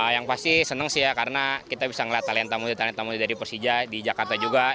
yang pasti senang sih ya karena kita bisa melihat talenta muda talenta muda dari persija di jakarta juga